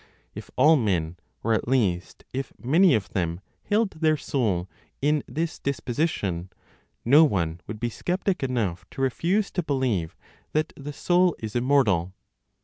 If all men, or at least, if many of them held their soul in this disposition, no one would be sceptic enough to refuse to believe that the soul is immortal.